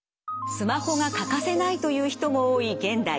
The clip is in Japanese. スマホが欠かせないという人も多い現代。